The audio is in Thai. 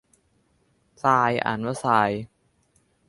ทราย อ่านว่าซาย